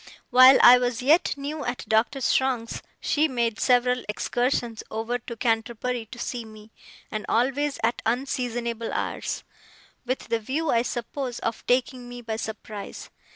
While I was yet new at Doctor Strong's, she made several excursions over to Canterbury to see me, and always at unseasonable hours: with the view, I suppose, of taking me by surprise.